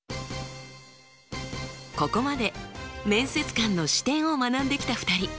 ここまで面接官の視点を学んできた２人。